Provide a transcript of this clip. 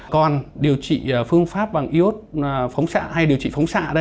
còn điều trị phương pháp bằng iốt phóng xạ hay điều trị phóng xạ đấy